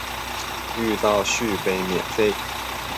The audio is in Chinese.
遇到续杯免费